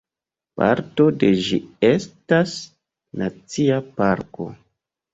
Parto de ĝi estas nacia parko.